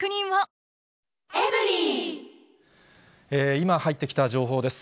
今入ってきた情報です。